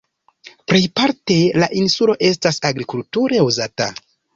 Plejparte la insulo estas agrikulture uzata.